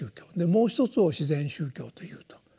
もう一つを「自然宗教」というと。